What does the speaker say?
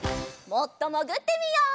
もっともぐってみよう。